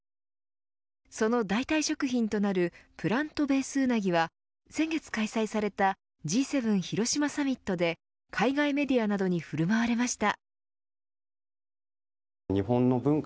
その代替食品となるプラントベースうなぎは先月開催されたＧ７広島サミットで海外メディアなどに振る舞われました。